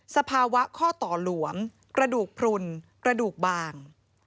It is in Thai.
สภาวะข้อต่อหลวมกระดูกพลุนกระดูกบาง